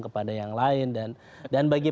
kepada yang lain dan bagi